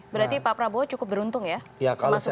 berarti pak prabowo cukup beruntung ya termasuk diundang di situ ya